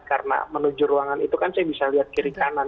karena menuju ruangan itu kan saya bisa lihat kiri kanan